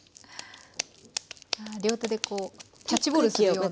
両手でこうキャッチボールするような。